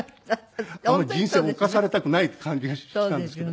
人生を侵されたくないって感じがしたんですけど。